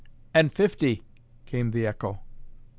"And fifty," came the echo.